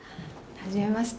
はじめまして。